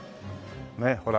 ねえほら。